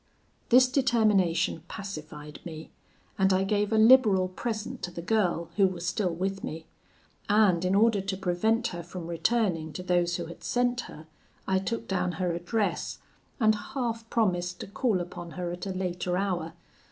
"This determination pacified me, and I gave a liberal present to the girl, who was still with me; and in order to prevent her from returning to those who had sent her, I took down her address, and half promised to call upon her at a later hour.